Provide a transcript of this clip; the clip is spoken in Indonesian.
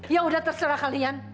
ya udah terserah kalian